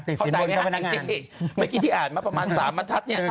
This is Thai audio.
ติดสินบนเจ้าพนักงานเมื่อกี้ที่อ่านมาประมาณ๓มันทัด